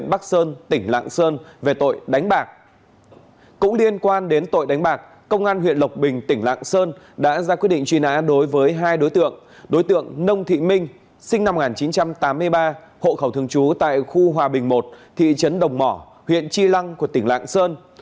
nông thị minh sinh năm một nghìn chín trăm tám mươi ba hộ khẩu thường trú tại khu hòa bình một thị trấn đồng mỏ huyện chi lăng của tỉnh lạng sơn